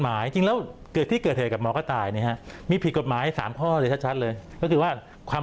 เมื่อของมันให้ขาดไม่หยุดให้ข้าม